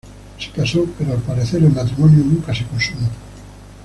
Se casó, pero al parecer el matrimonio nunca se consumó.